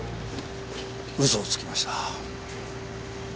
嘘をつきました。